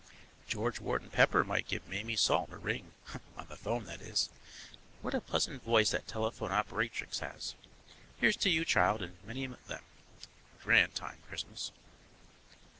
George Wharton Pepper might give Mayme Salt a ring (on the phone, that is). What a pleasant voice that telephone operatrix has. Here's to you, child, and many of them. Grand time, Christmas.